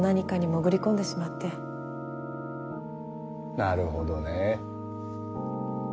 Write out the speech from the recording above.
なるほどね。